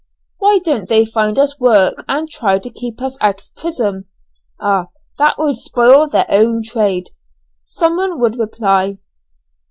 Why don't they find us work and try to keep us out of prison?" "Ah! that would spoil their own trade," someone would reply.